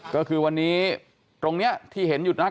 ก็คือวันนี้ตรงนี้ที่เห็นอยู่นะครับ